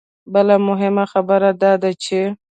بله مهمه خبره دا ده چې